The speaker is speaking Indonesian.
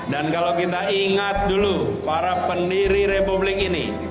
dan kalau kita ingat dulu para pendiri republik ini